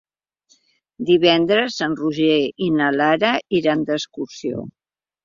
Divendres en Roger i na Lara iran d'excursió.